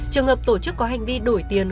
trường hợp tổ chức có hành vi đổi tiền